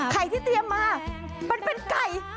ที่เตรียมมามันเป็นไก่